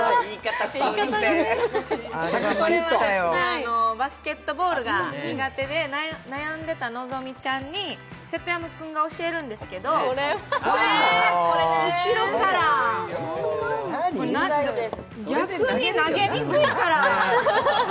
これは、バスケットボールが苦手で悩んでた希美ちゃんに瀬戸山君が教えるんですけど、これね、後ろから逆に投げにくいから！